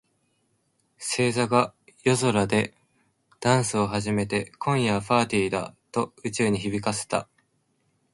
星座が夜空でダンスを始めて、「今夜はパーティーだ！」と宇宙に響かせた。